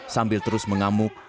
sambil terus mengamuk